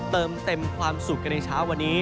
เติมเต็มความสุขกันในเช้าวันนี้